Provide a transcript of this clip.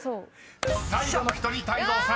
［最後の１人泰造さん